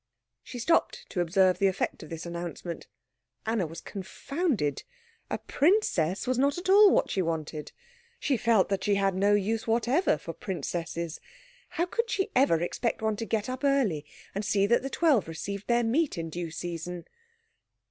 She stopped to observe the effect of this announcement. Anna was confounded. A princess was not at all what she wanted. She felt that she had no use whatever for princesses. How could she ever expect one to get up early and see that the twelve received their meat in due season?